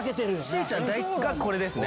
しーちゃんがこれですね。